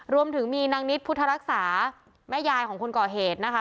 รวมถึงมีนางนิดพุทธรักษาแม่ยายของคนก่อเหตุนะคะ